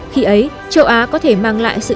khi ấy châu á có thể mang lại sự chắc chắn của các nước